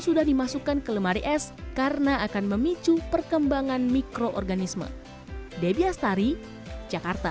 sudah dimasukkan ke lemari es karena akan memicu perkembangan mikroorganisme debbie astari jakarta